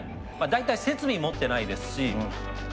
大体設備持ってないですし。